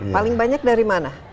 paling banyak dari mana